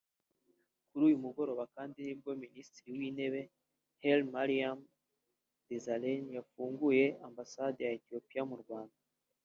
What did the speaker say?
Kuri uyu mugoroba kandi nibwo Minisitiri w’Intebe Hailemariam Desalegn yafunguye Ambasade ya Ethiopia mu Rwanda